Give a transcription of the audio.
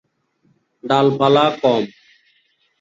ডালপালা কম।